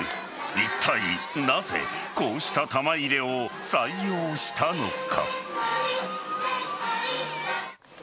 いったいなぜこうした玉入れを採用したのか。